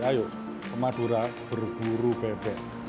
ayo ke madura berburu bebek